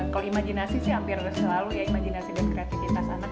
kalau imajinasi sih hampir selalu ya imajinasi dan kreativitas anak